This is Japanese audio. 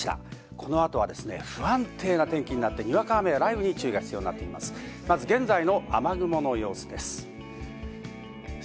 この後は不安定な天気になって、にわか雨や雷雨に注意が必要です。